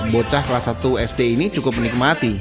bocah kelas satu sd ini cukup menikmati